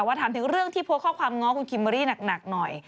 ถามถึงเรื่องที่โพสต์ข้อความง้อคุณคิมเบอร์รี่หนักหน่อย